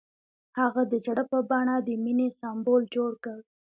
هغه د زړه په بڼه د مینې سمبول جوړ کړ.